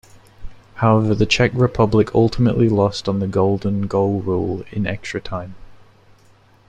However, the Czech Republic ultimately lost on the golden goal rule in extra time.